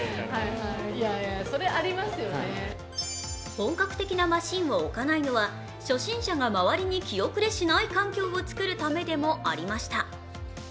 本格的なマシンを置かないのは初心者が周りに気後れしない環境を作るためでもありました。